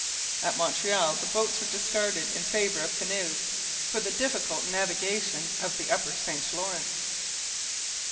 At Montreal the boats were discarded in favour of canoes for the difficult navigation of the upper St Lawrence.